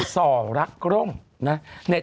ส่องรักร่มนะเน็ต